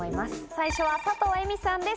最初は佐藤江未さんです